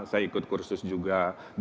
saya ikut kursus juga